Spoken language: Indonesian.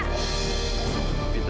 kamu kenapa sih